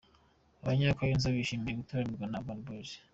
Abanya-Kayonza bishimiye gutaramirwa na Urban Boys.